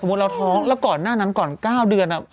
สมมติเราท้องแล้วก่อนนั่นก่อน๙เดือน